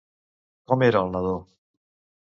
Com era el nadó?